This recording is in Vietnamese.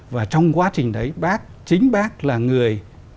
và trong quá trình đấy bác chính bác là người